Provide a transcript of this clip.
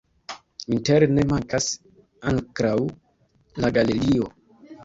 Interne mankas ankraŭ la galerio.